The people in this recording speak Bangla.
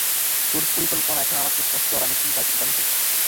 তোর পরিকল্পনা এখন আমার কাছে স্পষ্ট আর আমি এসেছি তার ইতি টানতে।